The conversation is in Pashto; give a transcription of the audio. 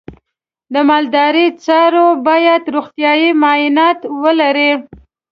د مالدارۍ څاروی باید روغتیايي معاینات ولري.